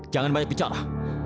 jangan banyak bicara